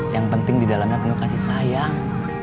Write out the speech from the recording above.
yang penting di dalamnya penyokasi sayang